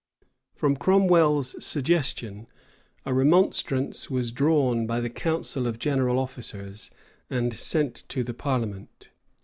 From Cromwell's suggestion, a remonstrance was drawn by the council of general officers, and sent to the parliament.